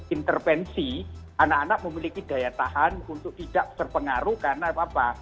intervensi anak anak memiliki daya tahan untuk tidak terpengaruh karena apa apa